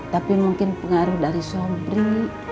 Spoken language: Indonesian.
tapi mungkin pengaruh dari sobri